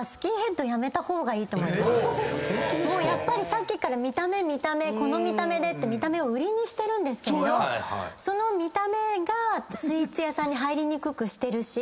さっきから見た目見た目「この見た目で⁉」って見た目を売りにしてるけどその見た目がスイーツ屋さんに入りにくくしてるし。